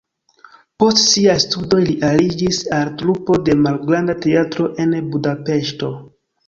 Post siaj studoj li aliĝis al trupo de malgranda teatro en Budapeŝto.